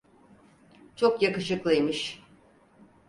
Çok yakışıklıymış.